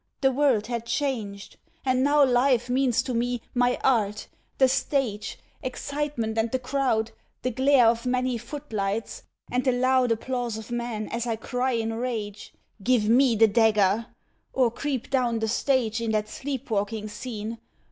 The world had changed! And now life means to me My art—the stage—excitement and the crowd— The glare of many foot lights—and the loud Applause of men, as I cry in rage, 'Give me the dagger!' or creep down the stage In that sleep walking scene.